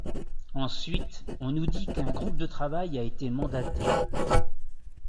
Ensuite, on nous dit qu’un groupe de travail a été mandaté.